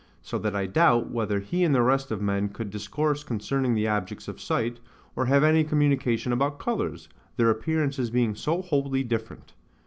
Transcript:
So that I doubt, whether he and the rest of men could discourse concerning the objects of sight, or have any communication about colours, their appearances being so wholly different.